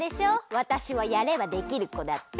わたしはやればできるこだって。